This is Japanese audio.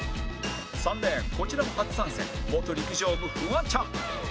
３レーンこちらも初参戦元陸上部フワちゃん